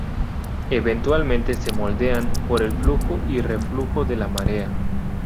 Eventualmente se moldean por el flujo y reflujo de la marea.